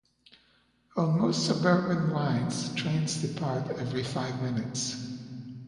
On most suburban lines, trains depart every five minutes.